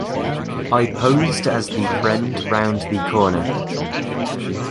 I posed as the friend round the corner.